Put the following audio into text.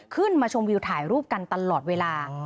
ขึ้นมาชมวิวถ่ายรูปกันตลอดเวลา